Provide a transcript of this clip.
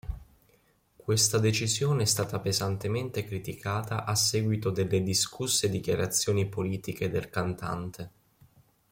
Questa decisione è stata pesantemente criticata a seguito delle discusse dichiarazioni politiche del cantante.